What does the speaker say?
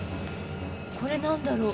これなんだろう？